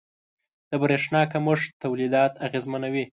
• د برېښنا کمښت تولیدات اغېزمنوي.